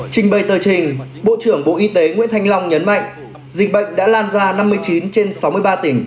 trình bày tờ trình bộ trưởng bộ y tế nguyễn thanh long nhấn mạnh dịch bệnh đã lan ra năm mươi chín trên sáu mươi ba tỉnh